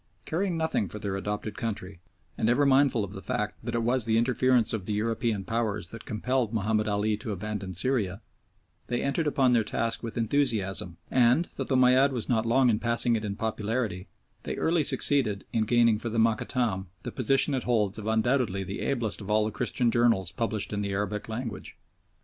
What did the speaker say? Caring nothing for their adopted country, and ever mindful of the fact that it was the interference of the European Powers that compelled Mahomed Ali to abandon Syria, they entered upon their task with enthusiasm, and, though the Moayyad was not long in passing it in popularity, they early succeeded in gaining for the Mokattam the position it holds of undoubtedly the ablest of all the Christian journals published in the Arabic language.